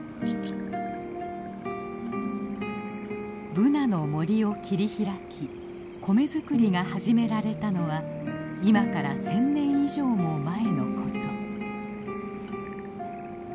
ブナの森を切り開き米作りが始められたのは今から１，０００年以上も前のこと。